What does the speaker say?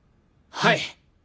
はい！